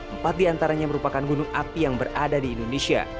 empat di antaranya merupakan gunung api yang berada di indonesia